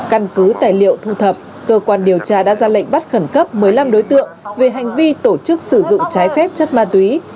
căn cứ tài liệu thu thập cơ quan điều tra đã ra lệnh bắt khẩn cấp một mươi năm đối tượng về hành vi tổ chức sử dụng trái phép chất ma túy